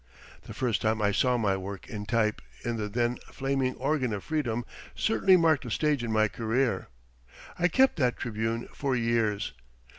The first time I saw my work in type in the then flaming organ of freedom certainly marked a stage in my career. I kept that "Tribune" for years.